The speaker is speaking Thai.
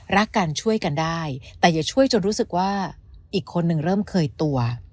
รักกันช่วยกันได้แต่อย่าช่วยจนรู้สึกว่าอีกคนนึงเริ่มเคยตัว